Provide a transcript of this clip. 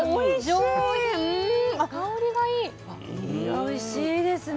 おいしいですね。